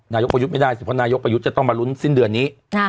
นายกประยุทธ์ไม่ได้สิเพราะนายกประยุทธ์จะต้องมาลุ้นสิ้นเดือนนี้